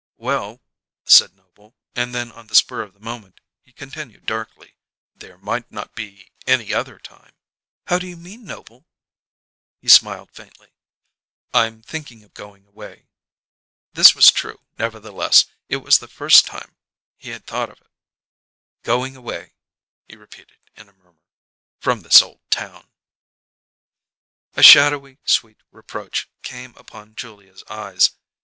"Well," said Noble, and then on the spur of the moment he continued darkly: "There might not be any other time." "How do you mean, Noble?" He smiled faintly. "I'm thinking of going away." This was true; nevertheless, it was the first time he had thought of it. "Going away," he repeated in a murmur. "From this old town." A shadowy, sweet reproach came upon Julia's eyes.